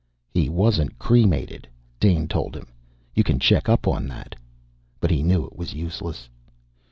"He wasn't cremated," Dane told him. "You can check up on that." But he knew it was useless.